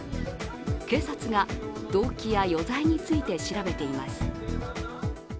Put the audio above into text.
警察が動機や余罪について調べています。